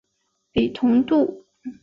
李同度。